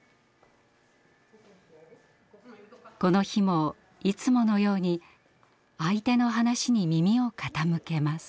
この日もいつものように相手の話に耳を傾けます。